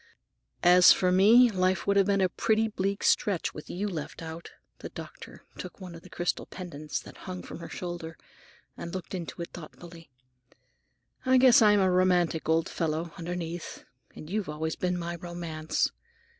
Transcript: "As for me, life would have been a pretty bleak stretch, with you left out." The doctor took one of the crystal pendants that hung from her shoulder and looked into it thoughtfully. "I guess I'm a romantic old fellow, underneath. And you've always been my romance.